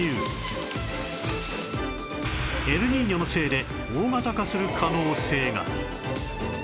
エルニーニョのせいで大型化する可能性が